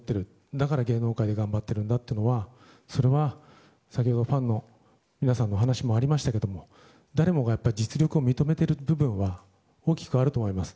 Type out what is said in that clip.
だから芸能界で頑張ってるんだっていうのはそれは先ほどファンの皆さんのお話もありましたが誰もが実力を認めている部分は大きくあると思います。